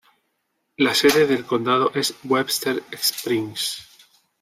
La sede del condado es Webster Springs.